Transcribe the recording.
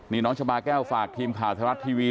นี่น้องชาบาแก้วฝากทีมข่าวไทยรัฐทีวี